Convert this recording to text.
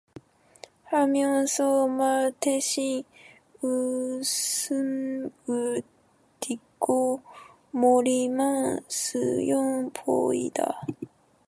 하면서 말 대신 웃음을 띠고 머리만 숙여 보인다.